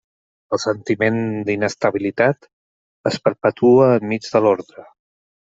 El sentiment d'inestabilitat es perpetua enmig de l'ordre.